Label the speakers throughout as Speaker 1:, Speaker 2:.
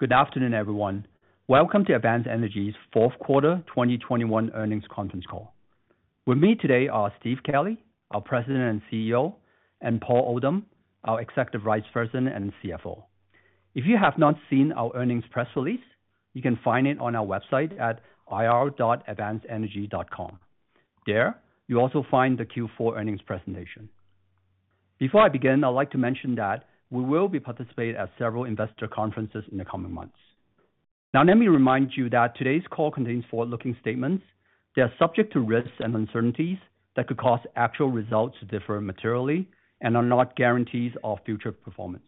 Speaker 1: Good afternoon, everyone. Welcome to Advanced Energy's Q4 2021 earnings conference call. With me today are Steve Kelley, our President and CEO, and Paul Oldham, our EVP and CFO. If you have not seen our earnings press release, you can find it on our website at ir.advancedenergy.com. There, you'll also find the Q4 earnings presentation. Before I begin, I'd like to mention that we will be participating at several investor conferences in the coming months. Now let me remind you that today's call contains forward-looking statements that are subject to risks and uncertainties that could cause actual results to differ materially and are not guarantees of future performance.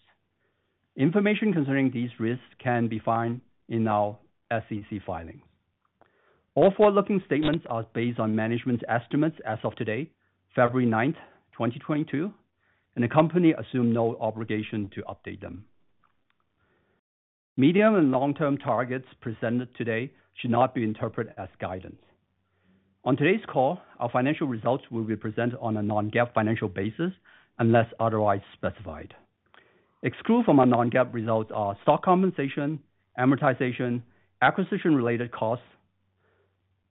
Speaker 1: Information concerning these risks can be found in our SEC filings. All forward-looking statements are based on management estimates as of today, February 9th 2022, and the company assume no obligation to update them. Medium- and long-term targets presented today should not be interpreted as guidance. On today's call, our financial results will be presented on a non-GAAP financial basis unless otherwise specified. Excluded from our non-GAAP results are stock compensation, amortization, acquisition-related costs,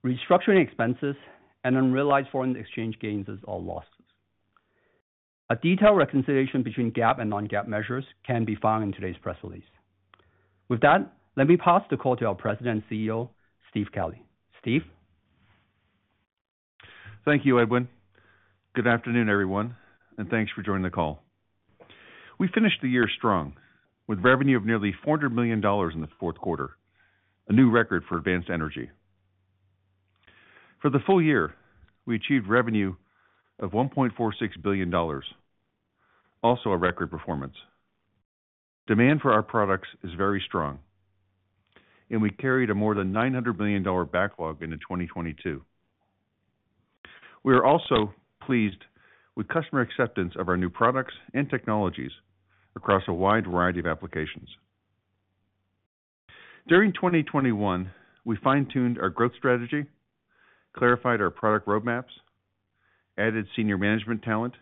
Speaker 1: restructuring expenses, and unrealized foreign exchange gains or losses. A detailed reconciliation between GAAP and non-GAAP measures can be found in today's press release. With that, let me pass the call to our President and CEO, Steve Kelley. Steve?
Speaker 2: Thank you, Edwin. Good afternoon, everyone, and thanks for joining the call. We finished the year strong, with revenue of nearly $400 million in the Q4, a new record for Advanced Energy. For the full year, we achieved revenue of $1.46 billion, also a record performance. Demand for our products is very strong, and we carried a more than $900 million backlog into 2022. We are also pleased with customer acceptance of our new products and technologies across a wide variety of applications. During 2021, we fine-tuned our growth strategy, clarified our product roadmaps, added senior management talent,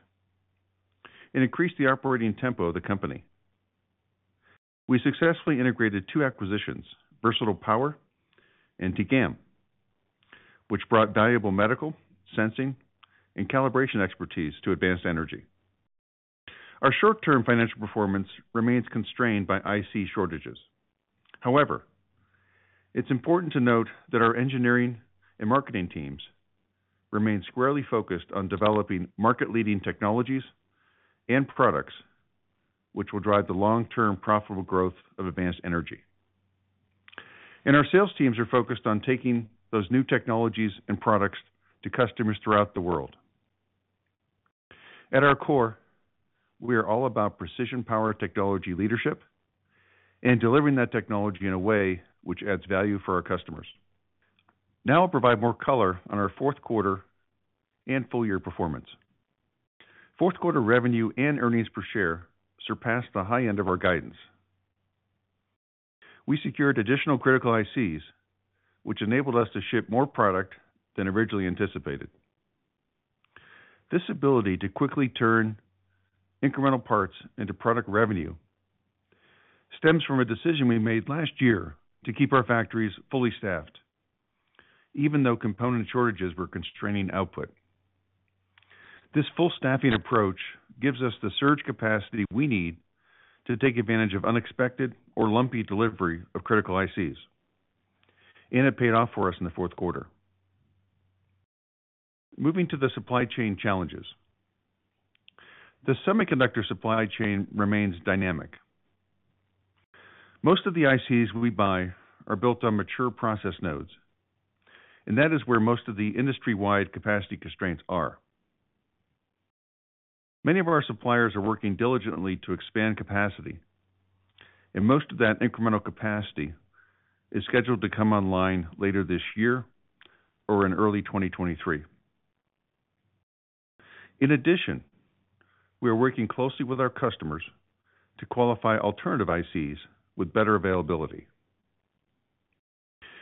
Speaker 2: and increased the operating tempo of the company. We successfully integrated two acquisitions, Versatile Power and TEGAM, which brought valuable medical, sensing, and calibration expertise to Advanced Energy. Our short-term financial performance remains constrained by IC shortages. However, it's important to note that our engineering and marketing teams remain squarely focused on developing market-leading technologies and products which will drive the long-term profitable growth of Advanced Energy. Our sales teams are focused on taking those new technologies and products to customers throughout the world. At our core, we are all about precision power technology leadership and delivering that technology in a way which adds value for our customers. Now I'll provide more color on our Q4 and full year performance. Q4 revenue and earnings per share surpassed the high end of our guidance. We secured additional critical ICs, which enabled us to ship more product than originally anticipated. This ability to quickly turn incremental parts into product revenue stems from a decision we made last year to keep our factories fully staffed, even though component shortages were constraining output. This full staffing approach gives us the surge capacity we need, to take advantage of unexpected or lumpy delivery of critical ICs, and it paid off for us in the Q4. Moving to the supply chain challenges, the semiconductor supply chain remains dynamic. Most of the ICs we buy are built on mature process nodes, and that is where most of the industry-wide capacity constraints are. Many of our suppliers are working diligently to expand capacity, and most of that incremental capacity is scheduled to come online later this year or in early 2023. In addition, we are working closely with our customers to qualify alternative ICs with better availability.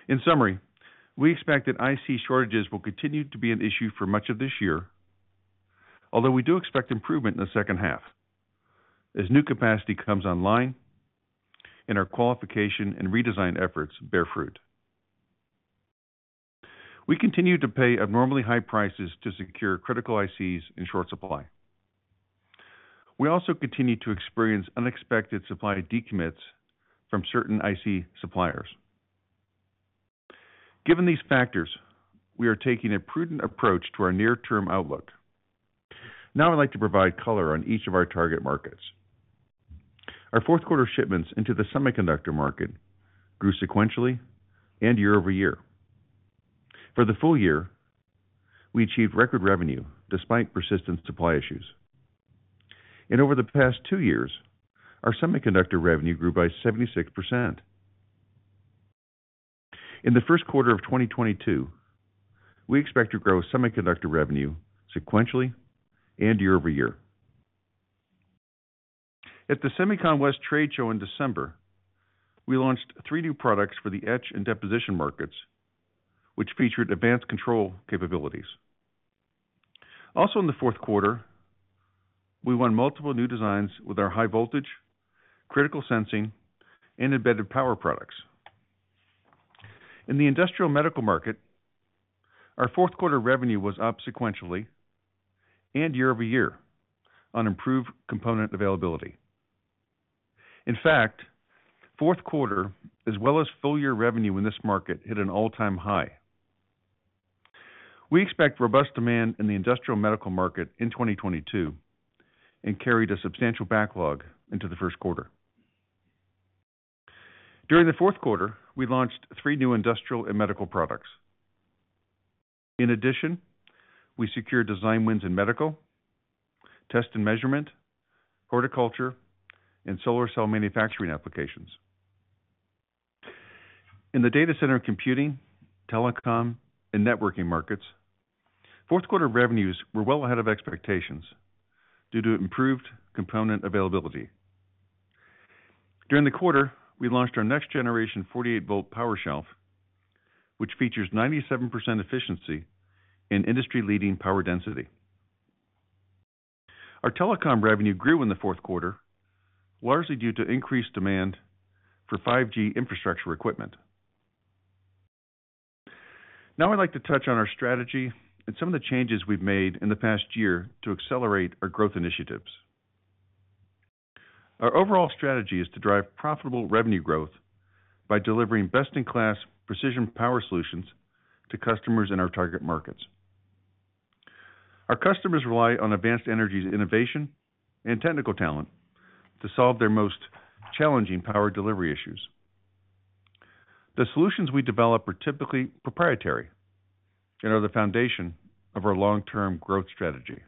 Speaker 2: In summary, we expect that IC shortages will continue to be an issue for much of this year, although we do expect improvement in the second half as new capacity comes online and our qualification and redesign efforts bear fruit. We continue to pay abnormally high prices to secure critical ICs in short supply. We also continue to experience unexpected supply decommits from certain IC suppliers. Given these factors, we are taking a prudent approach to our near-term outlook. Now I'd like to provide color on each of our target markets. Our fourth quarter shipments into the semiconductor market grew sequentially and year over year. For the full year, we achieved record revenue despite persistent supply issues. Over the past two years, our semiconductor revenue grew by 76%. In the Q1 of 2022, we expect to grow semiconductor revenue sequentially and year over year. At the SEMICON West trade show in December, we launched three new products for the etch and deposition markets, which featured advanced control capabilities. Also in the Q4, we won multiple new designs with our high voltage, critical sensing, and embedded power products. In the industrial medical market, our Q4 revenue was up sequentially and year-over-year on improved component availability. In fact, Q4 as well as full year revenue in this market hit an all-time high. We expect robust demand in the industrial medical market in 2022 and carried a substantial backlog into the Q1. During the Q4, we launched three new industrial and medical products. In addition, we secured design wins in medical, test and measurement, horticulture, and solar cell manufacturing applications. In the data center, computing, telecom, and networking markets, Q4 revenues were well ahead of expectations due to improved component availability. During the quarter, we launched our next generation 48-volt power shelf, which features 97% efficiency and industry-leading power density. Our telecom revenue grew in the Q4, largely due to increased demand for 5G infrastructure equipment. Now I'd like to touch on our strategy and some of the changes we've made in the past year to accelerate our growth initiatives. Our overall strategy is to drive profitable revenue growth by delivering best-in-class precision power solutions to customers in our target markets. Our customers rely on Advanced Energy's innovation and technical talent to solve their most challenging power delivery issues. The solutions we develop are typically proprietary and are the foundation of our long-term growth strategy.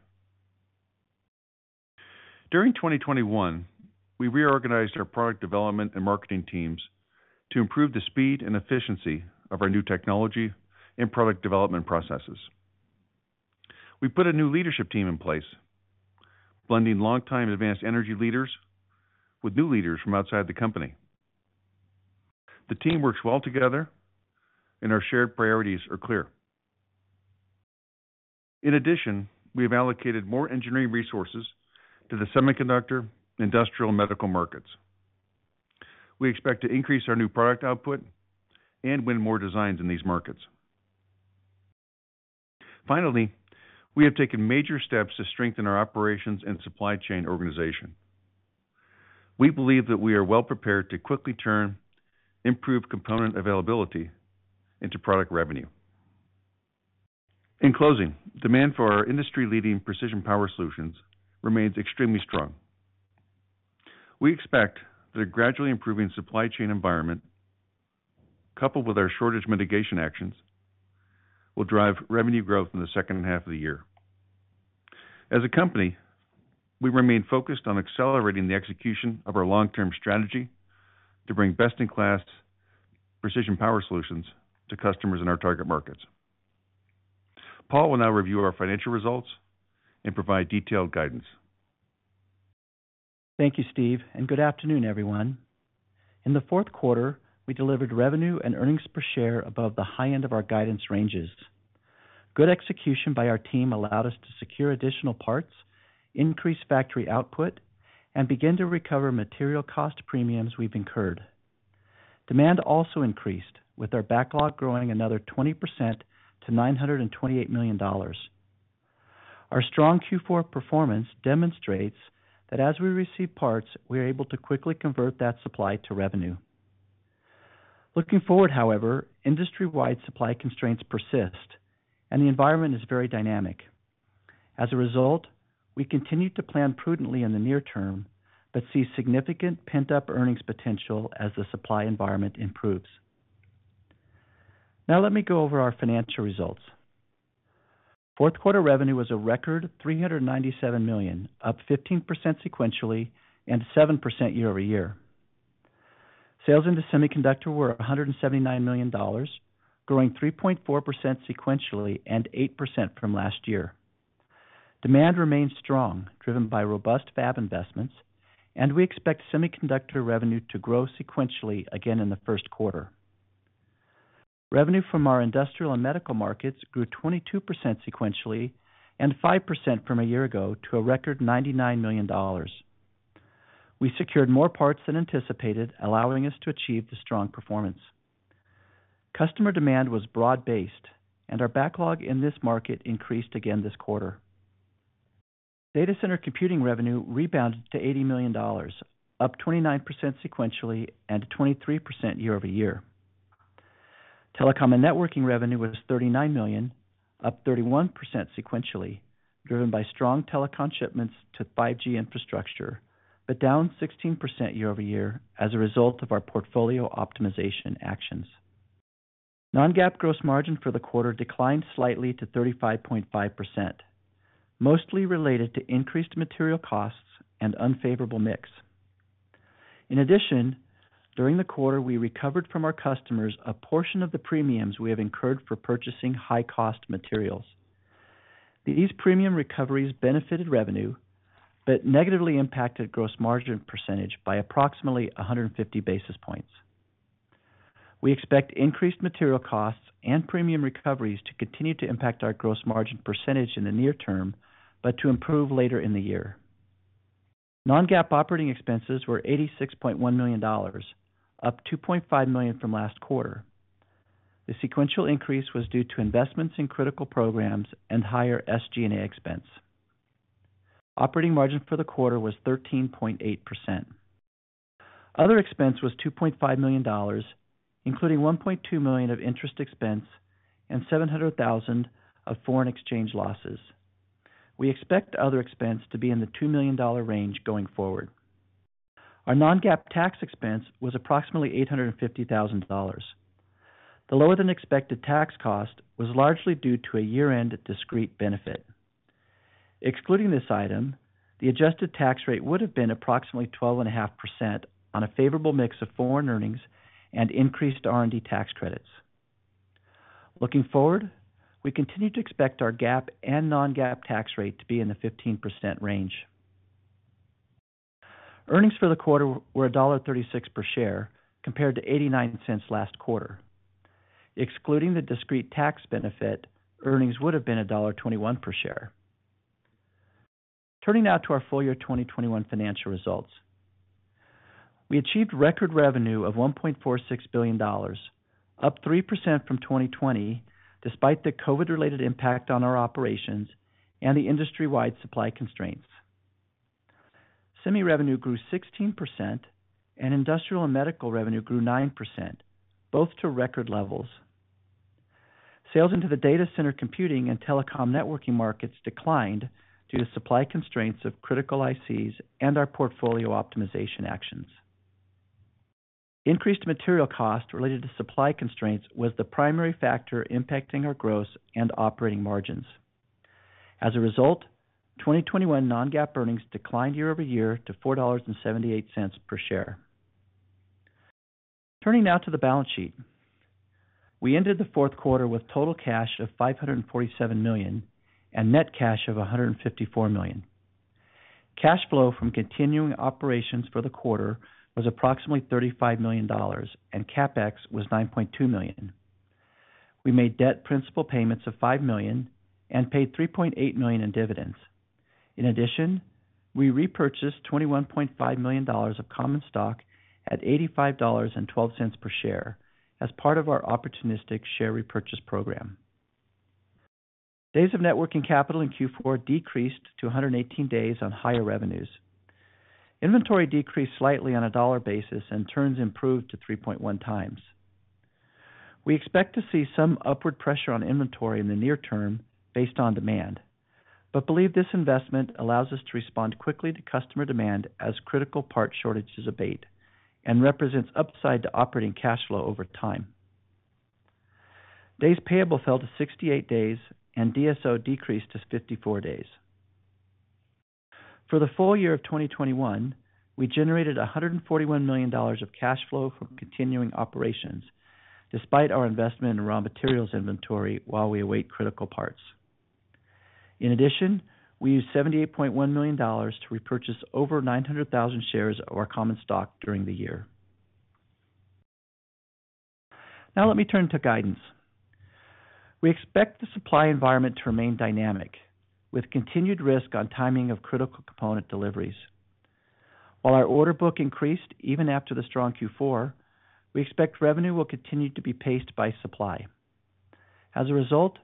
Speaker 2: During 2021, we reorganized our product development and marketing teams to improve the speed and efficiency of our new technology and product development processes. We put a new leadership team in place, blending longtime Advanced Energy leaders with new leaders from outside the company. The team works well together and our shared priorities are clear. In addition, we have allocated more engineering resources to the semiconductor, industrial, and medical markets. We expect to increase our new product output and win more designs in these markets. Finally, we have taken major steps to strengthen our operations and supply chain organization. We believe that we are well prepared to quickly turn improved component availability into product revenue. In closing, demand for our industry-leading precision power solutions remains extremely strong. We expect that a gradually improving supply chain environment, coupled with our shortage mitigation actions, will drive revenue growth in the second half of the year. As a company, we remain focused on accelerating the execution of our long-term strategy to bring best-in-class precision power solutions to customers in our target markets. Paul will now review our financial results and provide detailed guidance.
Speaker 3: Thank you, Steve, and good afternoon, everyone. In the fourth quarter, we delivered revenue and earnings per share above the high end of our guidance ranges. Good execution by our team allowed us to secure additional parts, increase factory output, and begin to recover material cost premiums we've incurred. Demand also increased, with our backlog growing another 20% to $928 million. Our strong Q4 performance demonstrates that as we receive parts, we are able to quickly convert that supply to revenue. Looking forward, however, industry-wide supply constraints persist and the environment is very dynamic. As a result, we continue to plan prudently in the near term, but see significant pent-up earnings potential as the supply environment improves. Now let me go over our financial results. Fourth quarter revenue was a record $397 million, up 15% sequentially and seven percent year-over-year. Sales into semiconductor were $179 million, growing 3.4% sequentially and eight percent from last year. Demand remains strong, driven by robust fab investments, and we expect semiconductor revenue to grow sequentially again in the first quarter. Revenue from our industrial and medical markets grew 22% sequentially and 5% from a year ago to a record $99 million. We secured more parts than anticipated, allowing us to achieve the strong performance. Customer demand was broad-based and our backlog in this market increased again this quarter. Data center computing revenue rebounded to $80 million, up 29% sequentially and 23% year-over-year. Telecom and networking revenue was $39 million, up 31% sequentially, driven by strong telecom shipments to 5G infrastructure, but down 16% year-over-year as a result of our portfolio optimization actions. Non-GAAP gross margin for the quarter declined slightly to 35.5%, mostly related to increased material costs and unfavorable mix. In addition, during the quarter, we recovered from our customers a portion of the premiums we have incurred for purchasing high cost materials. These premium recoveries benefited revenue, but negatively impacted gross margin percentage by approximately 150 basis points. We expect increased material costs and premium recoveries to continue to impact our gross margin percentage in the near term, but to improve later in the year. Non-GAAP operating expenses were $86.1 million, up $2.5 million from last quarter. The sequential increase was due to investments in critical programs and higher SG&A expense. Operating margin for the quarter was 13.8%. Other expense was $2.5 million, including $1.2 million of interest expense and $700,000 of foreign exchange losses. We expect other expense to be in the $2 million range going forward. Our non-GAAP tax expense was approximately $850,000. The lower than expected tax cost was largely due to a year-end discrete benefit. Excluding this item, the adjusted tax rate would have been approximately 12.5% on a favorable mix of foreign earnings and increased R&D tax credits. Looking forward, we continue to expect our GAAP and non-GAAP tax rate to be in the 15% range. Earnings for the quarter were $1.36 per share compared to $0.89 last quarter. Excluding the discrete tax benefit, earnings would have been $1.21 per share. Turning now to our full year 2021 financial results. We achieved record revenue of $1.46 billion, up three percent from 2020, despite the COVID-related impact on our operations and the industry-wide supply constraints. Semi revenue grew 16% and industrial and medical revenue grew nine percent, both to record levels. Sales into the data center computing and telecom networking markets declined due to supply constraints of critical ICs and our portfolio optimization actions. Increased material cost related to supply constraints was the primary factor impacting our gross and operating margins. As a result, 2021 non-GAAP earnings declined year-over-year to $4.78 per share. Turning now to the balance sheet. We ended the Q4 with total cash of $547 million and net cash of $154 million. Cash flow from continuing operations for the quarter was approximately $35 million and CapEx was $9.2 million. We made debt principal payments of $5 million and paid $3.8 million in dividends. In addition, we repurchased $21.5 million of common stock at $85.12 per share as part of our opportunistic share repurchase program. Days of net working capital in Q4 decreased to 118 days on higher revenues. Inventory decreased slightly on a dollar basis and turns improved to 3.1×. We expect to see some upward pressure on inventory in the near term based on demand, but believe this investment allows us to respond quickly to customer demand as critical part shortages abate and represents upside to operating cash flow over time. Days payable fell to 68 days and DSO decreased to 54 days. For the full year of 2021, we generated $141 million of cash flow from continuing operations despite our investment in raw materials inventory while we await critical parts. In addition, we used $78.1 million to repurchase over 900,000 shares of our common stock during the year. Now let me turn to guidance. We expect the supply environment to remain dynamic with continued risk on timing of critical component deliveries. While our order book increased even after the strong Q4, we expect revenue will continue to be paced by supply. As a result,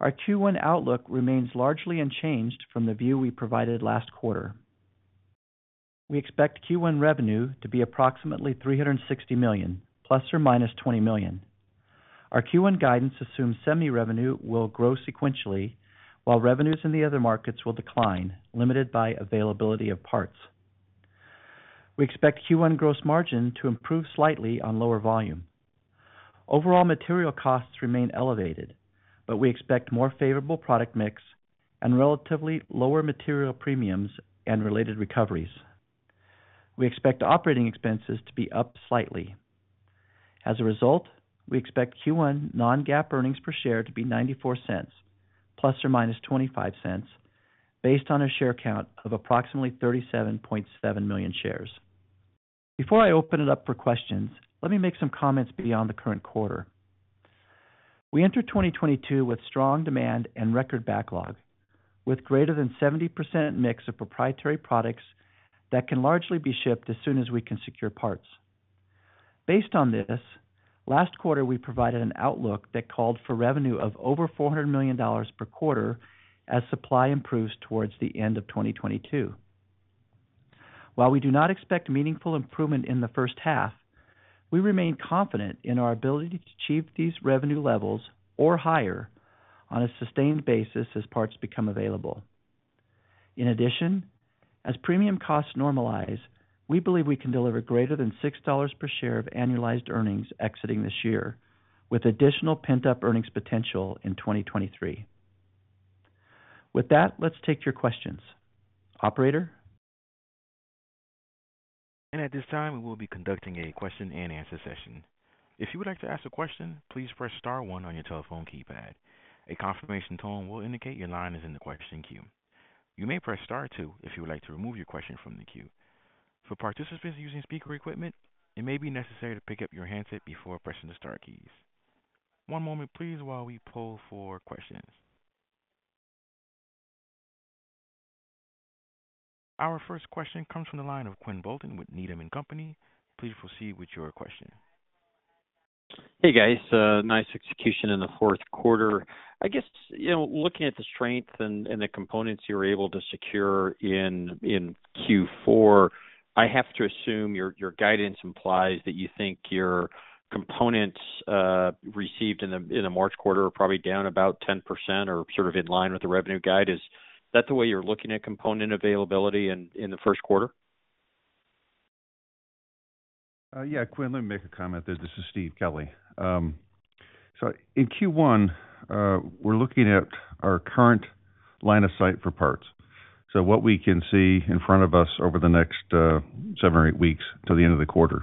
Speaker 3: our Q1 outlook remains largely unchanged from the view we provided last quarter. We expect Q1 revenue to be approximately $360 million ± $20 million. Our Q1 guidance assumes semi revenue will grow sequentially while revenues in the other markets will decline, limited by availability of parts. We expect Q1 gross margin to improve slightly on lower volume. Overall material costs remain elevated, but we expect more favorable product mix and relatively lower material premiums and related recoveries. We expect operating expenses to be up slightly. As a result, we expect Q1 non-GAAP earnings per share to be $0.94 ±$0.25 based on a share count of approximately 37.7 million shares. Before I open it up for questions, let me make some comments beyond the current quarter. We enter 2022 with strong demand and record backlog with greater than 70% mix of proprietary products that can largely be shipped as soon as we can secure parts. Based on this, last quarter we provided an outlook that called for revenue of over $400 million per quarter as supply improves towards the end of 2022. While we do not expect meaningful improvement in the first half, we remain confident in our ability to achieve these revenue levels or higher on a sustained basis as parts become available. In addition, as premium costs normalize, we believe we can deliver greater than $6 per share of annualized earnings exiting this year with additional pent-up earnings potential in 2023. With that, let's take your questions. Operator?
Speaker 1: At this time, we will be conducting a question and answer session. If you would like to ask a question, please press star one on your telephone keypad. A confirmation tone will indicate your line is in the question queue. You may press star two if you would like to remove your question from the queue. For participants using speaker equipment, it may be necessary to pick up your handset before pressing the star keys. One moment please while we pull for questions. Our first question comes from the line of Quinn Bolton with Needham & Company. Please proceed with your question.
Speaker 4: Hey, guys. Nice execution in the Q4. I guess, you know, looking at the strength and the components you were able to secure in Q4, I have to assume your guidance implies that you think your components received in the March quarter are probably down about 10% or sort of in line with the revenue guide. Is that the way you're looking at component availability in the Q1?
Speaker 2: Yeah, Quinn, let me make a comment there. This is Steve Kelley. So in Q1, we're looking at our current line of sight for parts, so what we can see in front of us over the next seven or eight weeks till the end of the quarter.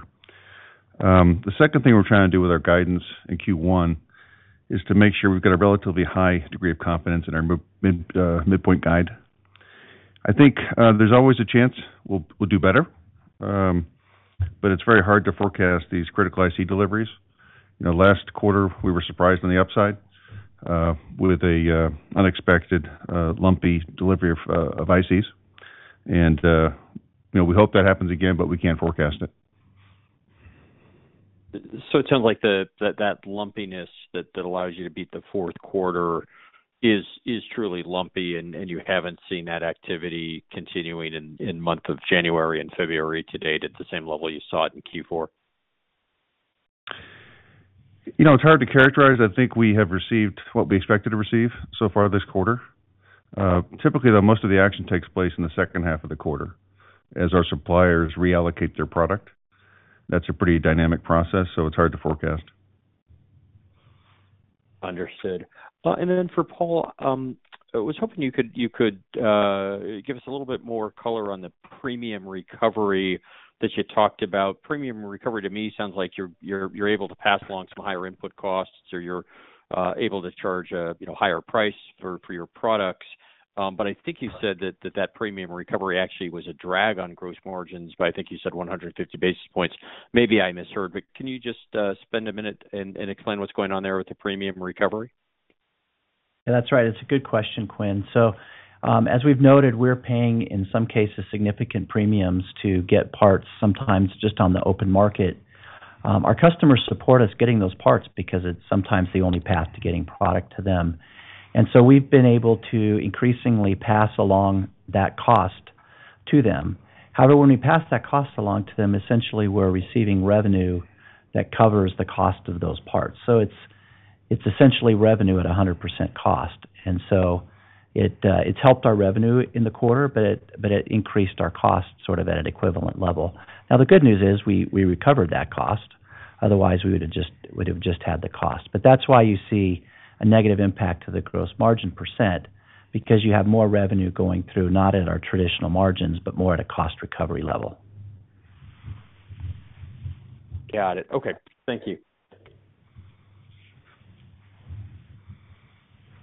Speaker 2: The second thing we're trying to do with our guidance in Q1 is to make sure we've got a relatively high degree of confidence in our midpoint guide. I think there's always a chance we'll do better, but it's very hard to forecast these critical IC deliveries. You know, last quarter, we were surprised on the upside with an unexpected lumpy delivery of ICs. You know, we hope that happens again, but we can't forecast it.
Speaker 4: It sounds like that lumpiness that allows you to beat the fourth quarter is truly lumpy, and you haven't seen that activity continuing in month of January and February to date at the same level you saw it in Q4.
Speaker 2: You know, it's hard to characterize. I think we have received what we expected to receive so far this quarter. Typically, though, most of the action takes place in the second half of the quarter as our suppliers reallocate their product. That's a pretty dynamic process, so it's hard to forecast.
Speaker 4: Understood. For Paul, I was hoping you could give us a little bit more color on the premium recovery that you talked about. Premium recovery to me sounds like you're able to pass along some higher input costs or you're able to charge a higher price for your products. I think you said that premium recovery actually was a drag on gross margins by I think you said 150 basis points. Maybe I misheard, but can you just spend a minute and explain what's going on there with the premium recovery?
Speaker 3: Yeah, that's right. It's a good question, Quinn. As we've noted, we're paying, in some cases, significant premiums to get parts, sometimes just on the open market. Our customers support us getting those parts because it's sometimes the only path to getting product to them. We've been able to increasingly pass along that cost to them. However, when we pass that cost along to them, essentially we're receiving revenue that covers the cost of those parts. It's essentially revenue at 100% cost. It's helped our revenue in the quarter, but it increased our cost sort of at an equivalent level. Now, the good news is we recovered that cost. Otherwise, we would have just had the cost. That's why you see a negative impact to the gross margin %, because you have more revenue going through, not at our traditional margins, but more at a cost recovery level.
Speaker 4: Got it. Okay. Thank you.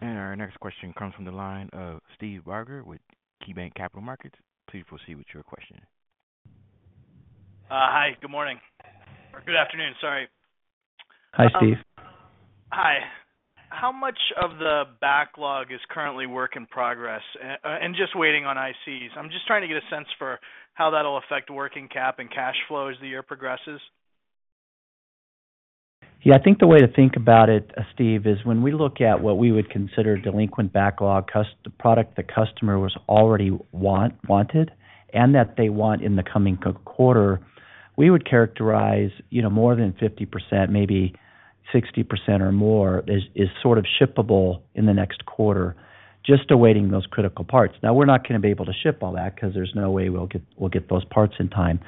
Speaker 1: Our next question comes from the line of Steve Barger with KeyBanc Capital Markets. Please proceed with your question.
Speaker 5: Hi. Good morning. Or good afternoon, sorry.
Speaker 3: Hi, Steve.
Speaker 5: Hi. How much of the backlog is currently work in progress and just waiting on ICs? I'm just trying to get a sense for how that'll affect working cap and cash flow as the year progresses.
Speaker 3: Yeah. I think the way to think about it, Steve, is when we look at what we would consider delinquent backlog, the product the customer already wanted and that they want in the coming quarter, we would characterize, you know, more than 50%, maybe 60% or more is sort of shippable in the next quarter just awaiting those critical parts. Now, we're not gonna be able to ship all that 'cause there's no way we'll get those parts in time.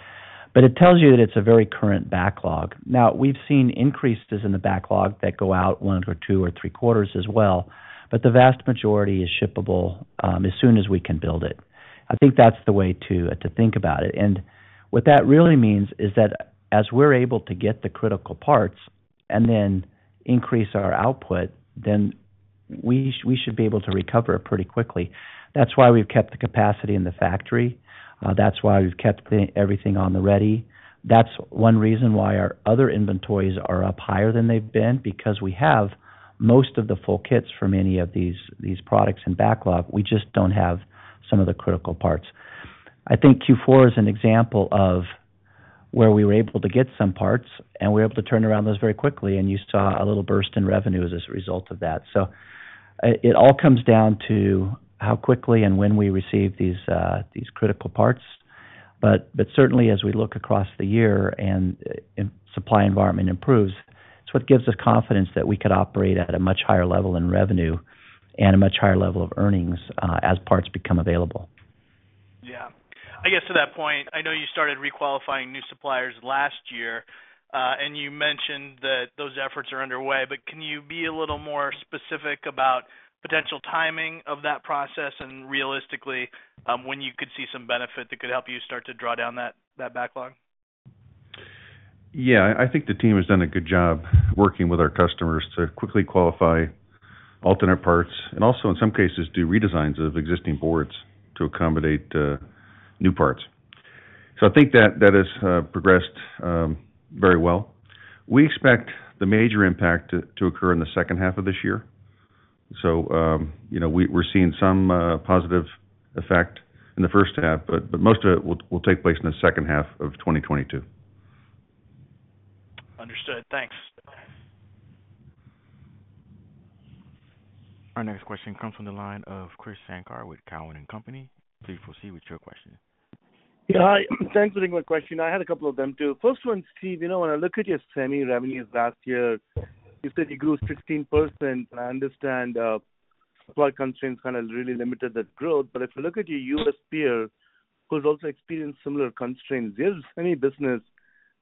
Speaker 3: It tells you that it's a very current backlog. Now, we've seen increases in the backlog that go out one or two or three quarters as well, but the vast majority is shippable as soon as we can build it. I think that's the way to think about it. What that really means is that as we're able to get the critical parts and then increase our output, then we should be able to recover pretty quickly. That's why we've kept the capacity in the factory. That's why we've kept everything on the ready. That's one reason why our other inventories are up higher than they've been, because we have most of the full kits for many of these products in backlog. We just don't have some of the critical parts. I think Q4 is an example of where we were able to get some parts, and we were able to turn around those very quickly, and you saw a little burst in revenues as a result of that. It all comes down to how quickly and when we receive these critical parts. Certainly as we look across the year and supply environment improves, it's what gives us confidence that we could operate at a much higher level in revenue and a much higher level of earnings, as parts become available.
Speaker 5: Yeah. I guess to that point, I know you started re-qualifying new suppliers last year, and you mentioned that those efforts are underway, but can you be a little more specific about potential timing of that process and realistically, when you could see some benefit that could help you start to draw down that backlog?
Speaker 2: Yeah, I think the team has done a good job working with our customers to quickly qualify alternate parts and also in some cases do redesigns of existing boards to accommodate new parts. I think that has progressed very well. We expect the major impact to occur in the second half of this year. You know, we're seeing some positive effect in the first half, but most of it will take place in the second half of 2022.
Speaker 5: Understood. Thanks.
Speaker 1: Our next question comes from the line of Krish Sankar with Cowen and Company. Please proceed with your question.
Speaker 6: Yeah. Hi. Thanks for taking my question. I had a couple of them too. First one, Steve, you know, when I look at your semi revenues last year, you said you grew 16%, and I understand, supply constraints kind of really limited that growth. But if you look at your U.S. peer who's also experienced similar constraints, their semi business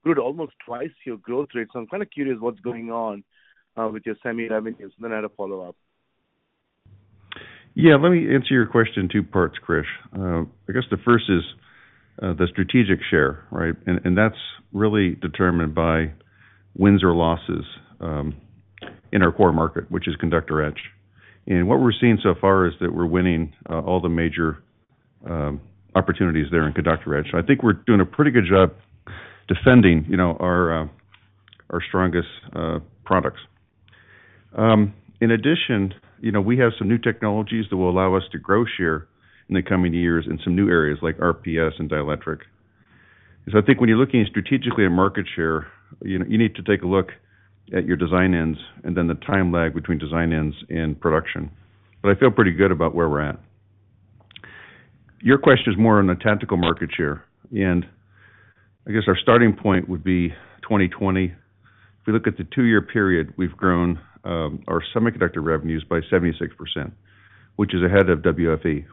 Speaker 6: grew at almost twice your growth rate. I'm kind of curious what's going on with your semi revenues. And then I had a follow-up.
Speaker 2: Yeah. Let me answer your question in two parts, Krish. I guess the first is the strategic share, right? And that's really determined by wins or losses in our core market, which is conductor etch. What we're seeing so far is that we're winning all the major opportunities there in conductor etch. I think we're doing a pretty good job defending, you know, our strongest products. In addition, you know, we have some new technologies that will allow us to grow share in the coming years in some new areas like RPS and dielectric. I think when you're looking strategically at market share, you know, you need to take a look at your design wins and then the time lag between design wins and production. I feel pretty good about where we're at. Your question is more on the tactical market share, and I guess our starting point would be 2020. If we look at the two-year period, we've grown our semiconductor revenues by 76%, which is ahead of WFE.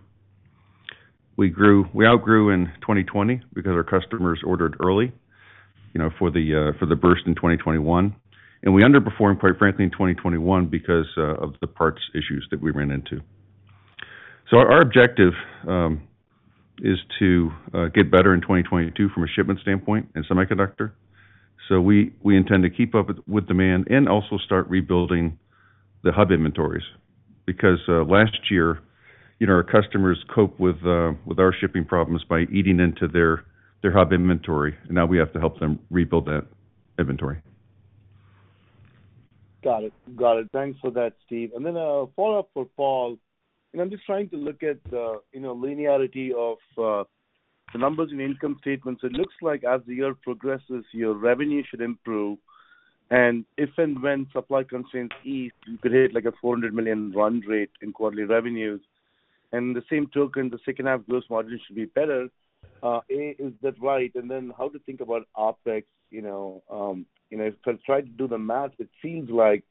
Speaker 2: We outgrew in 2020 because our customers ordered early, you know, for the burst in 2021, and we underperformed, quite frankly, in 2021 because of the parts issues that we ran into. Our objective is to get better in 2022 from a shipment standpoint in semiconductor. We intend to keep up with demand and also start rebuilding the hub inventories, because last year, you know, our customers coped with our shipping problems by eating into their hub inventory, and now we have to help them rebuild that inventory.
Speaker 6: Got it. Thanks for that, Steve. Then a follow-up for Paul. You know, I'm just trying to look at, you know, linearity of, the numbers in income statements. It looks like as the year progresses, your revenue should improve, and if and when supply constraints ease, you could hit like a $400 million run rate in quarterly revenues. In the same token, the second half gross margin should be better. Is that right? How to think about OpEx, you know, if I try to do the math, it seems like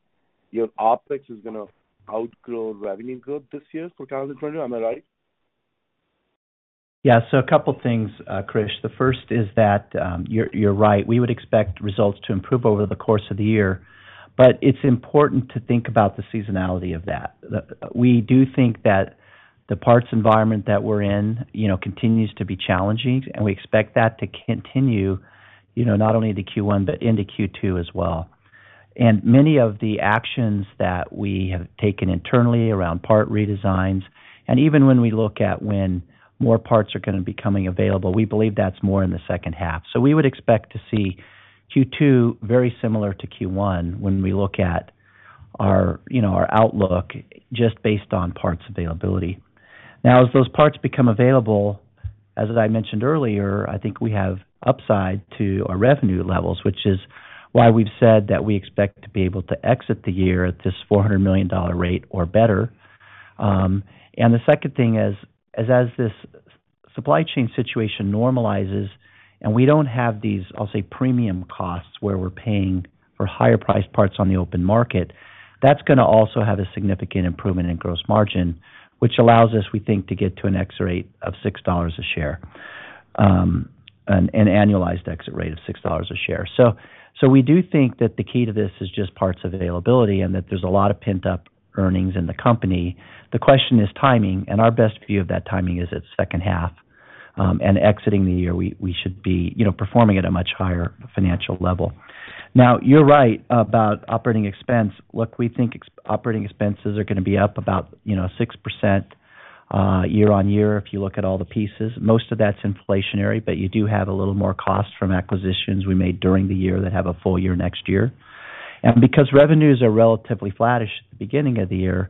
Speaker 6: your OpEx is gonna outgrow revenue growth this year for 2020. Am I right?
Speaker 3: Yeah. A couple things, Krish. The first is that, you're right. We would expect results to improve over the course of the year, but it's important to think about the seasonality of that. We do think that the parts environment that we're in, you know, continues to be challenging, and we expect that to continue, you know, not only into Q1, but into Q2 as well. Many of the actions that we have taken internally around part redesigns, and even when we look at when more parts are gonna be coming available, we believe that's more in the second half. We would expect to see Q2 very similar to Q1 when we look at our, you know, our outlook just based on parts availability. Now, as those parts become available, as I mentioned earlier, I think we have upside to our revenue levels, which is why we've said that we expect to be able to exit the year at this $400 million rate or better. The second thing is, as this supply chain situation normalizes and we don't have these, I'll say, premium costs where we're paying for higher priced parts on the open market, that's gonna also have a significant improvement in gross margin, which allows us, we think, to get to an exit rate of $6 a share, an annualized exit rate of $6 a share. We do think that the key to this is just parts availability and that there's a lot of pent-up earnings in the company. The question is timing, and our best view of that timing is it's second half. Exiting the year, we should be, you know, performing at a much higher financial level. Now, you're right about operating expense. Look, we think operating expenses are gonna be up about, you know, six percent, year-on-year if you look at all the pieces. Most of that's inflationary, but you do have a little more cost from acquisitions we made during the year that have a full year next year. Because revenues are relatively flattish at the beginning of the year,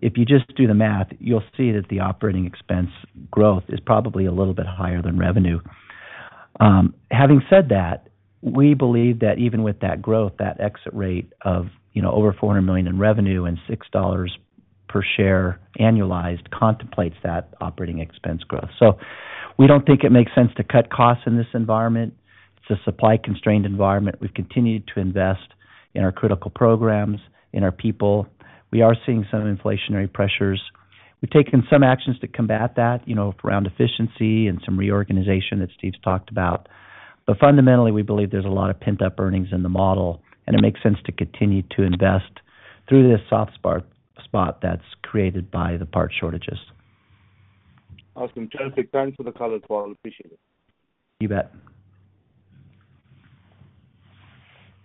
Speaker 3: if you just do the math, you'll see that the operating expense growth is probably a little bit higher than revenue. Having said that, we believe that even with that growth, that exit rate of, you know, over $400 million in revenue and $6 per share annualized contemplates that operating expense growth. We don't think it makes sense to cut costs in this environment. It's a supply-constrained environment. We've continued to invest in our critical programs, in our people. We are seeing some inflationary pressures. We've taken some actions to combat that, you know, around efficiency and some reorganization that Steve's talked about. Fundamentally, we believe there's a lot of pent-up earnings in the model, and it makes sense to continue to invest through this soft spot that's created by the parts shortages.
Speaker 6: Awesome. Terrific. Thanks for the color, Paul. Appreciate it.
Speaker 3: You bet.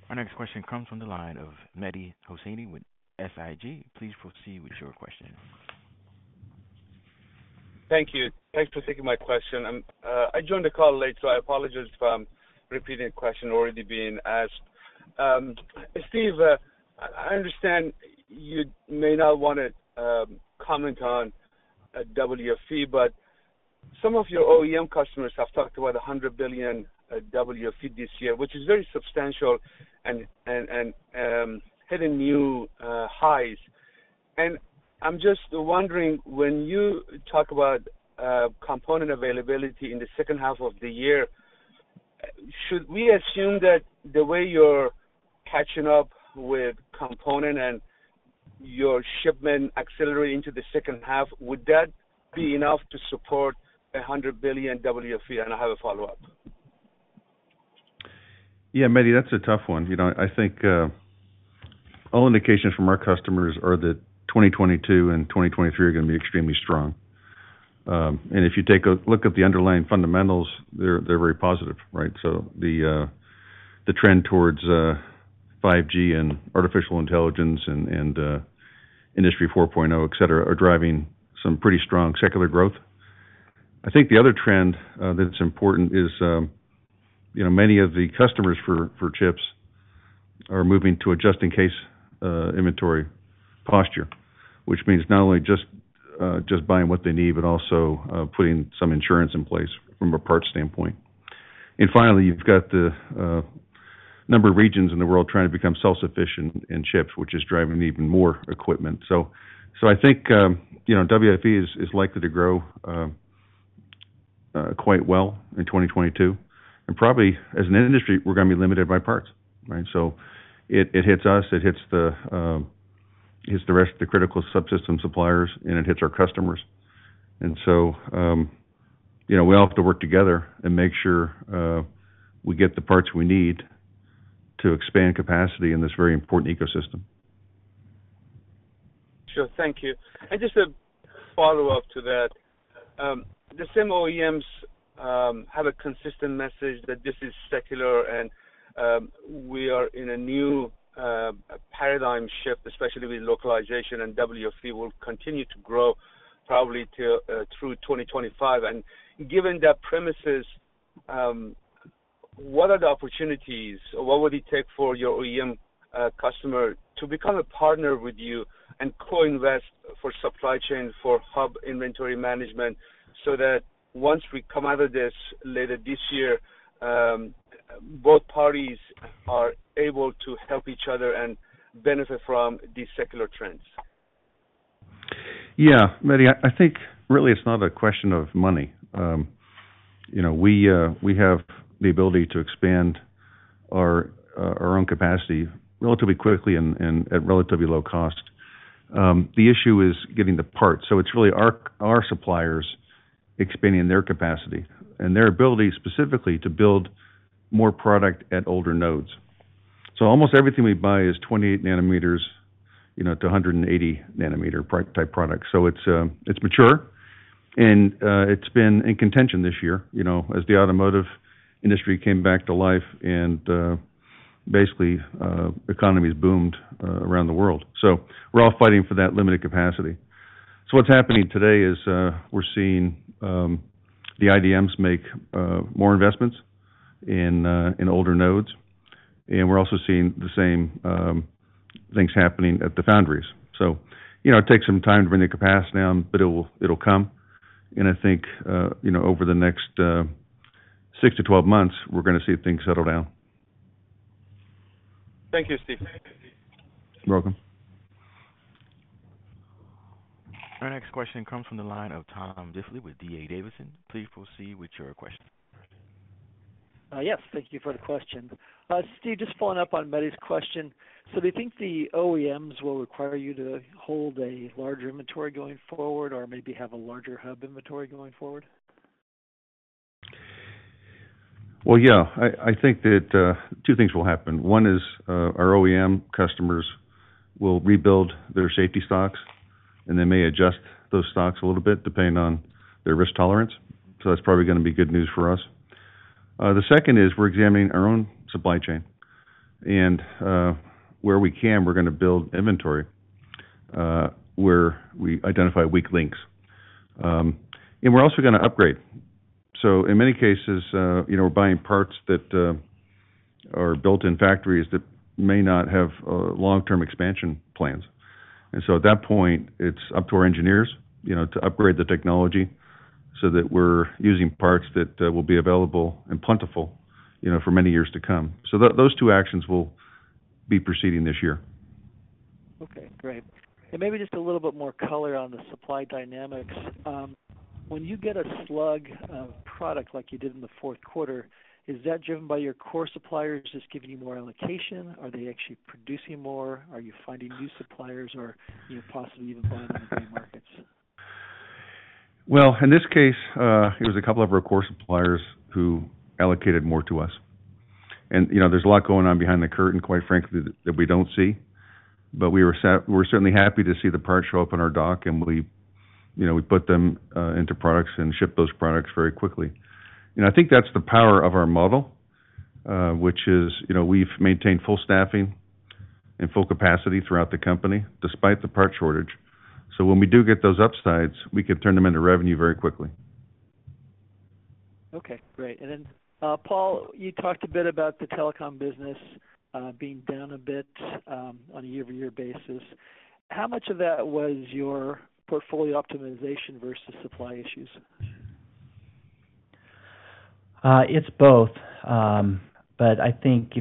Speaker 1: Our next question comes from the line of Mehdi Hosseini with SIG. Please proceed with your question.
Speaker 7: Thank you. Thanks for taking my question. I joined the call late, so I apologize if I'm repeating a question already being asked. Steve, I understand you may not wanna comment on WFE, but some of your OEM customers have talked about $100 billion WFE this year, which is very substantial and hitting new highs. I'm just wondering, when you talk about component availability in the second half of the year, should we assume that the way you're catching up with component and your shipment accelerating into the second half, would that be enough to support $100 billion WFE? I have a follow-up.
Speaker 2: Yeah, Mehdi, that's a tough one. You know, I think all indications from our customers are that 2022 and 2023 are gonna be extremely strong. If you take a look at the underlying fundamentals, they're very positive, right? The trend towards 5G and artificial intelligence and Industry 4.0, et cetera, are driving some pretty strong secular growth. I think the other trend that's important is, you know, many of the customers for chips are moving to a just in case inventory posture, which means not only just buying what they need, but also putting some insurance in place from a parts standpoint. Finally, you've got the number of regions in the world trying to become self-sufficient in chips, which is driving even more equipment. I think you know WFE is likely to grow quite well in 2022. Probably as an industry, we're gonna be limited by parts, right? It hits us, it hits the rest of the critical subsystem suppliers, and it hits our customers. You know, we all have to work together and make sure we get the parts we need to expand capacity in this very important ecosystem.
Speaker 7: Sure. Thank you. Just a follow-up to that. The same OEMs have a consistent message that this is secular and we are in a new paradigm shift, especially with localization, and WFE will continue to grow probably through 2025. Given that premises, what are the opportunities? What would it take for your OEM customer to become a partner with you and co-invest for supply chain, for hub inventory management, so that once we come out of this later this year, both parties are able to help each other and benefit from these secular trends?
Speaker 2: Yeah. Mehdi, I think really it's not a question of money. You know, we have the ability to expand our own capacity relatively quickly and at relatively low cost. The issue is getting the parts. It's really our suppliers expanding their capacity and their ability specifically to build more product at older nodes. Almost everything we buy is 28 nanometers, you know, to 180 nanometer prototype product. It's mature and it's been in contention this year, you know, as the automotive industry came back to life and basically economies boomed around the world. We're all fighting for that limited capacity. What's happening today is, we're seeing the IDMs make more investments in older nodes, and we're also seeing the same things happening at the foundries. You know, it takes some time to bring the capacity on, but it will, it'll come. I think you know, over the next six-twelve months, we're gonna see things settle down.
Speaker 7: Thank you, Steve.
Speaker 2: You're welcome.
Speaker 1: Our next question comes from the line of Tom Diffley with D.A. Davidson. Please proceed with your question.
Speaker 8: Yes, thank you for the question. Steve, just following up on Mehdi's question. Do you think the OEMs will require you to hold a larger inventory going forward or maybe have a larger hub inventory going forward?
Speaker 2: Well, yeah. I think that two things will happen. One is our OEM customers will rebuild their safety stocks, and they may adjust those stocks a little bit depending on their risk tolerance. That's probably gonna be good news for us. The second is we're examining our own supply chain. Where we can, we're gonna build inventory where we identify weak links. We're also gonna upgrade. In many cases, you know, we're buying parts that are built in factories that may not have long-term expansion plans. At that point, it's up to our engineers, you know, to upgrade the technology so that we're using parts that will be available and plentiful, you know, for many years to come. Those two actions will be proceeding this year.
Speaker 8: Okay, great. Maybe just a little bit more color on the supply dynamics. When you get a slug of product like you did in the Q4, is that driven by your core suppliers just giving you more allocation? Are they actually producing more? Are you finding new suppliers or, you know, possibly even buying in the gray markets?
Speaker 2: Well, in this case, it was a couple of our core suppliers who allocated more to us. You know, there's a lot going on behind the curtain, quite frankly, that we don't see. We're certainly happy to see the parts show up on our dock and we, you know, we put them into products and ship those products very quickly. You know, I think that's the power of our model, which is, you know, we've maintained full staffing and full capacity throughout the company despite the part shortage. When we do get those upsides, we can turn them into revenue very quickly.
Speaker 8: Okay, great. Paul, you talked a bit about the telecom business, being down a bit, on a year-over-year basis. How much of that was your portfolio optimization versus supply issues?
Speaker 3: It's both. I think,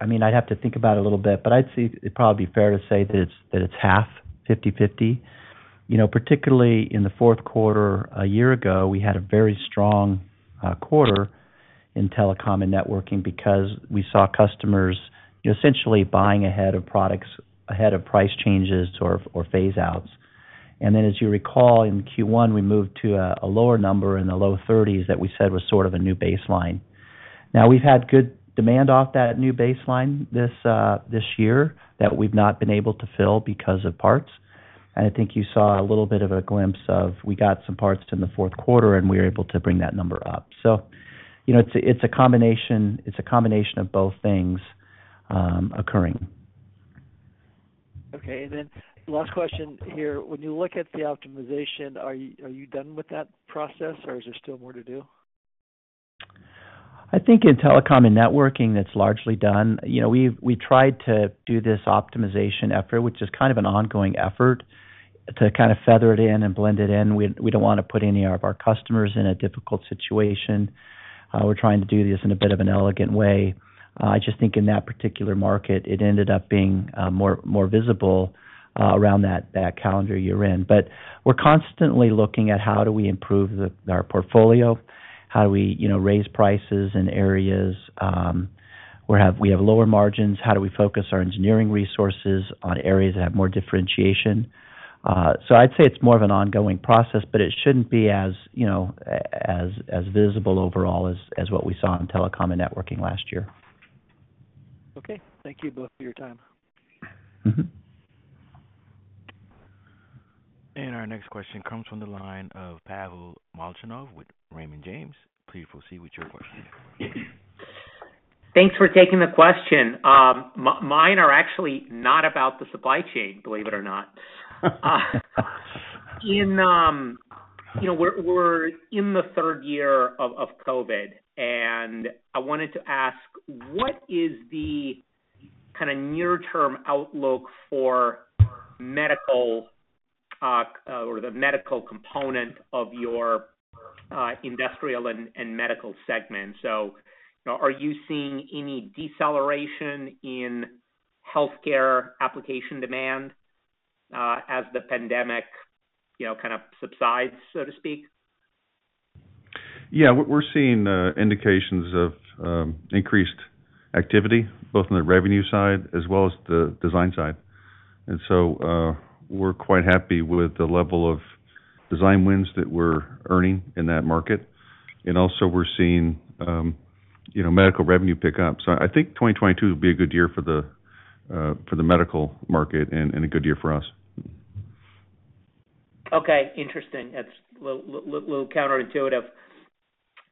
Speaker 3: I mean, I'd have to think about it a little bit, but I'd say it'd probably be fair to say that it's half, fifty/fifty. You know, particularly in the fourth quarter a year ago, we had a very strong quarter in telecom and networking because we saw customers essentially buying ahead of products, ahead of price changes or phase outs. As you recall, in Q1, we moved to a lower number in the low thirties that we said was sort of a new baseline. Now we've had good demand off that new baseline this year that we've not been able to fill because of parts. I think you saw a little bit of a glimpse of we got some parts in the Q4, and we were able to bring that number up. You know, it's a combination of both things occurring.
Speaker 8: Okay. Last question here. When you look at the optimization, are you done with that process or is there still more to do?
Speaker 3: I think in telecom and networking that's largely done. You know, we tried to do this optimization effort, which is kind of an ongoing effort to kind of feather it in and blend it in. We don't wanna put any of our customers in a difficult situation. We're trying to do this in a bit of an elegant way. I just think in that particular market it ended up being more visible around that calendar year end. We're constantly looking at how do we improve our portfolio, how do we, you know, raise prices in areas where we have lower margins, how do we focus our engineering resources on areas that have more differentiation? I'd say it's more of an ongoing process, but it shouldn't be as, you know, as visible overall as what we saw in telecom and networking last year.
Speaker 8: Okay. Thank you both for your time.
Speaker 3: Mm-hmm.
Speaker 1: Our next question comes from the line of Pavel Molchanov with Raymond James. Please proceed with your question.
Speaker 9: Thanks for taking the question. Mine are actually not about the supply chain, believe it or not. In, you know, we're in the third year of COVID, and I wanted to ask, what is the kinda near-term outlook for medical or the medical component of your industrial and medical segment? You know, are you seeing any deceleration in healthcare application demand as the pandemic, you know, kind of subsides, so to speak?
Speaker 2: Yeah. We're seeing indications of increased activity both on the revenue side as well as the design side. We're quite happy with the level of design wins that we're earning in that market. We're seeing, you know, medical revenue pick up. I think 2022 will be a good year for the medical market and a good year for us.
Speaker 9: Okay. Interesting. That's little counterintuitive.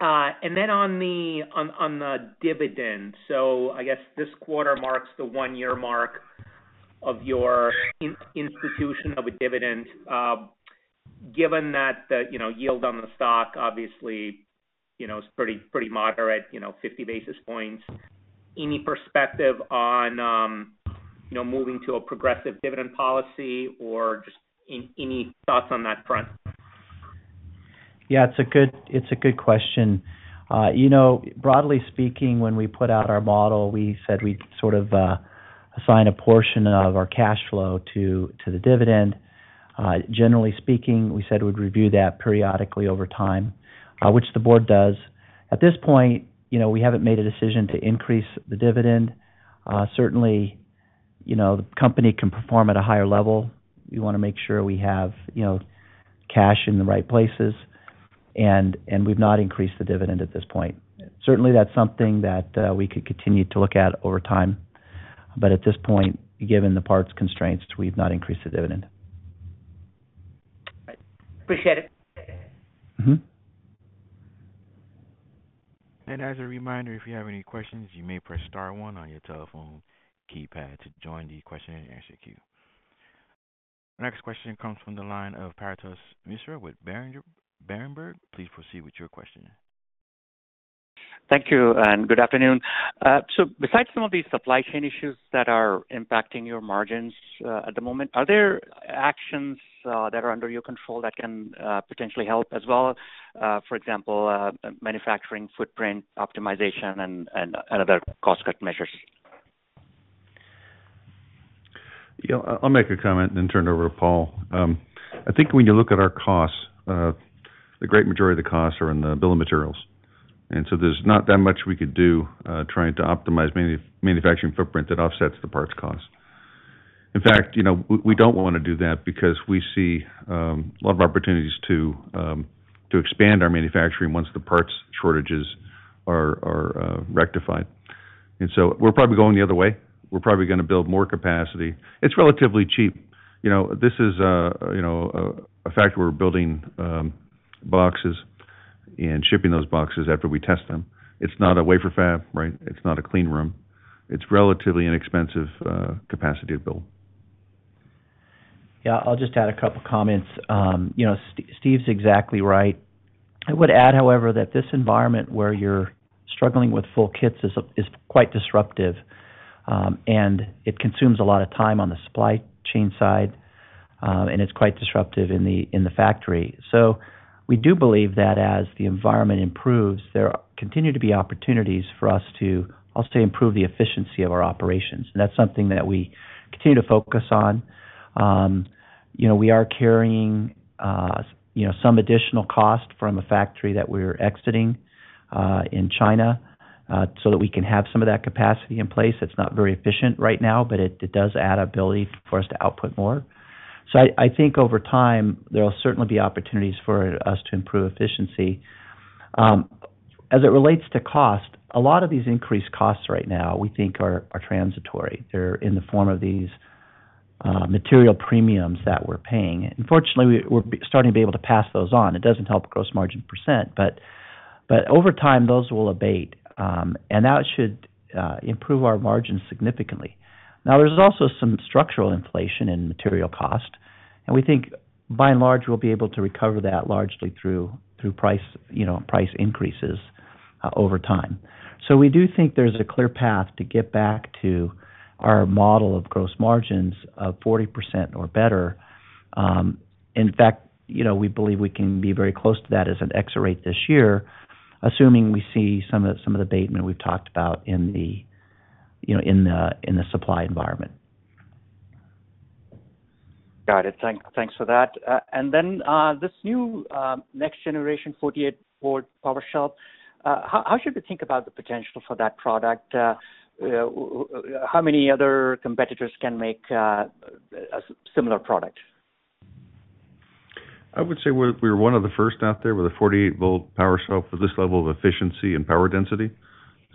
Speaker 9: Then on the dividend. I guess this quarter marks the one-year mark of your institution of a dividend. Given that the yield on the stock obviously is pretty moderate, 50 basis points, any perspective on moving to a progressive dividend policy or just any thoughts on that front?
Speaker 3: Yeah, it's a good question. You know, broadly speaking, when we put out our model, we said we'd sort of assign a portion of our cash flow to the dividend. Generally speaking, we said we'd review that periodically over time, which the board does. At this point, you know, we haven't made a decision to increase the dividend. Certainly, you know, the company can perform at a higher level. We wanna make sure we have, you know, cash in the right places and we've not increased the dividend at this point. Certainly, that's something that we could continue to look at over time. At this point, given the parts constraints, we've not increased the dividend.
Speaker 9: appreciate it.
Speaker 3: Mm-hmm.
Speaker 1: As a reminder, if you have any questions, you may press star one on your telephone keypad to join the question and answer queue. Next question comes from the line of Paretosh Misra with Berenberg. Please proceed with your question.
Speaker 10: Thank you and good afternoon. Besides some of these supply chain issues that are impacting your margins, at the moment, are there actions that are under your control that can potentially help as well? For example, manufacturing footprint optimization and other cost cut measures.
Speaker 2: Yeah. I'll make a comment and then turn it over to Paul. I think when you look at our costs, the great majority of the costs are in the bill of materials, and so there's not that much we could do, trying to optimize manufacturing footprint that offsets the parts cost. In fact, you know, we don't wanna do that because we see a lot of opportunities to expand our manufacturing once the parts shortages are rectified. We're probably going the other way. We're probably gonna build more capacity. It's relatively cheap. You know, this is a factory we're building boxes and shipping those boxes after we test them. It's not a wafer fab, right? It's not a clean room. It's relatively inexpensive capacity to build.
Speaker 3: Yeah. I'll just add a couple comments. You know, Steve's exactly right. I would add, however, that this environment where you're struggling with full kits is quite disruptive, and it consumes a lot of time on the supply chain side, and it's quite disruptive in the factory. We do believe that as the environment improves, there continue to be opportunities for us to also improve the efficiency of our operations, and that's something that we continue to focus on. You know, we are carrying you know, some additional cost from a factory that we're exiting in China, so that we can have some of that capacity in place. It's not very efficient right now, but it does add to our ability for us to output more. I think over time, there will certainly be opportunities for us to improve efficiency. As it relates to cost, a lot of these increased costs right now we think are transitory. They're in the form of these material premiums that we're paying. Fortunately, we're starting to be able to pass those on. It doesn't help gross margin percent, but over time, those will abate. That should improve our margins significantly. Now, there's also some structural inflation in material cost, and we think by and large, we'll be able to recover that largely through price, you know, price increases over time. We do think there's a clear path to get back to our model of gross margins of 40% or better. In fact, you know, we believe we can be very close to that as an FX rate this year, assuming we see some of the abatement we've talked about in the supply environment.
Speaker 10: Got it. Thanks for that. This new next generation 48-volt power shelf, how should we think about the potential for that product? How many other competitors can make a similar product?
Speaker 2: I would say we're one of the first out there with a 48-volt power shelf with this level of efficiency and power density.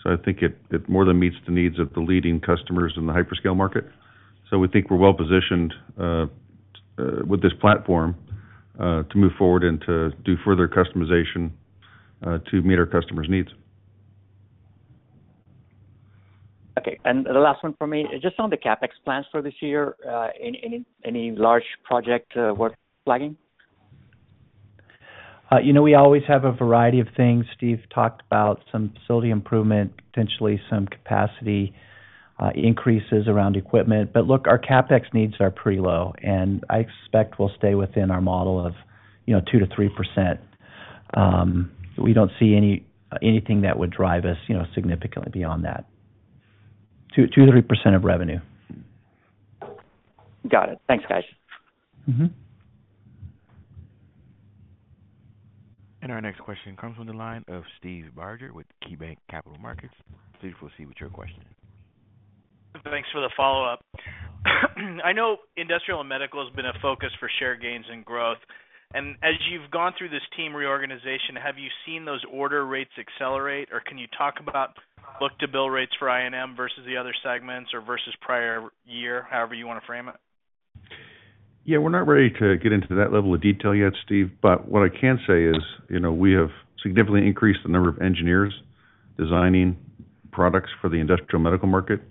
Speaker 2: I think it more than meets the needs of the leading customers in the hyperscale market. We think we're well positioned with this platform to move forward and to do further customization to meet our customers' needs.
Speaker 10: Okay. The last one for me is just on the CapEx plans for this year. Any large project worth flagging?
Speaker 3: You know, we always have a variety of things. Steve talked about some facility improvement, potentially some capacity increases around equipment. Look, our CapEx needs are pretty low, and I expect we'll stay within our model of, you know, two percent-three percent. We don't see anything that would drive us, you know, significantly beyond that. two percent-three percent of revenue.
Speaker 10: Got it. Thanks, guys.
Speaker 3: Mm-hmm.
Speaker 1: Our next question comes from the line of Steve Barger with KeyBanc Capital Markets. Steve, we'll see what your question is.
Speaker 5: Thanks for the follow-up. I know industrial and medical has been a focus for share gains and growth. As you've gone through this team reorganization, have you seen those order rates accelerate, or can you talk about book-to-bill rates for INM versus the other segments or versus prior year? However you wanna frame it.
Speaker 2: Yeah. We're not ready to get into that level of detail yet, Steve. What I can say is, you know, we have significantly increased the number of engineers designing products for the industrial medical market.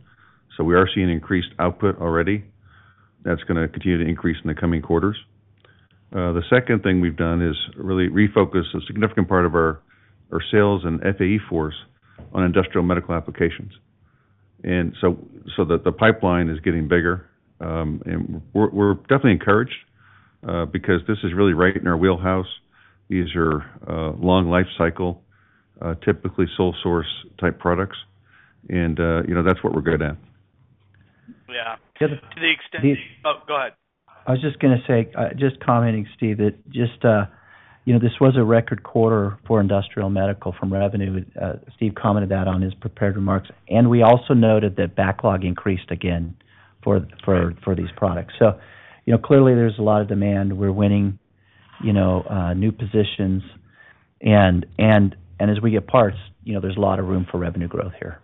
Speaker 2: We are seeing increased output already. That's gonna continue to increase in the coming quarters. The second thing we've done is really refocus a significant part of our sales and FAE force on industrial medical applications. So that the pipeline is getting bigger. We're definitely encouraged because this is really right in our wheelhouse. These are long life cycle, typically sole source type products. You know, that's what we're good at.
Speaker 5: Yeah. To the extent
Speaker 3: Steve-
Speaker 5: Oh, go ahead.
Speaker 3: I was just gonna say, just commenting, Steve, that just, you know, this was a record quarter for industrial medical from revenue. Steve commented that on his prepared remarks, and we also noted that backlog increased again for these products. You know, clearly there's a lot of demand. We're winning, you know, new positions. As we get parts, you know, there's a lot of room for revenue growth here.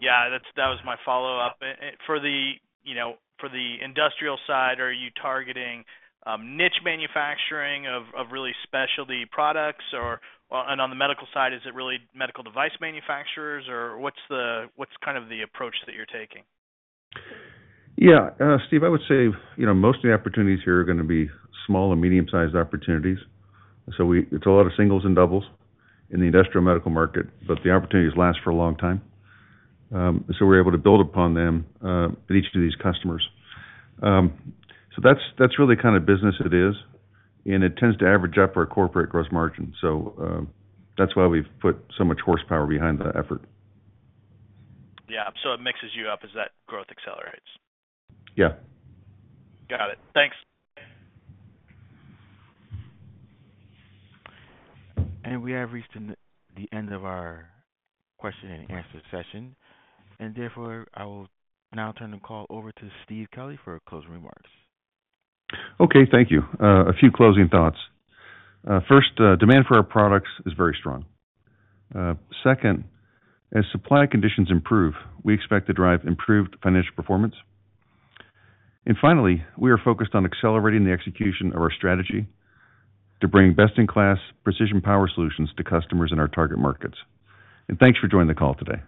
Speaker 5: Yeah, that was my follow-up. For the, you know, for the industrial side, are you targeting niche manufacturing of really specialty products or. Well, on the medical side, is it really medical device manufacturers, or what's kind of the approach that you're taking?
Speaker 2: Yeah, Steve, I would say, you know, most of the opportunities here are gonna be small and medium sized opportunities. It's a lot of singles and doubles in the industrial medical market, but the opportunities last for a long time. We're able to build upon them at each of these customers. That's really kind of business it is, and it tends to average up our corporate gross margin. That's why we've put so much horsepower behind the effort.
Speaker 5: Yeah. It mixes you up as that growth accelerates.
Speaker 2: Yeah.
Speaker 5: Got it. Thanks.
Speaker 1: We have reached the end of our question and answer session, and therefore I will now turn the call over to Steve Kelley for closing remarks.
Speaker 2: Okay. Thank you. A few closing thoughts. First, demand for our products is very strong. Second, as supply conditions improve, we expect to drive improved financial performance. Finally, we are focused on accelerating the execution of our strategy to bring best-in-class precision power solutions to customers in our target markets. Thanks for joining the call today.